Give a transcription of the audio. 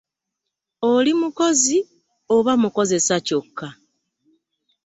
Oli mukozi oba mukozesa kyokka?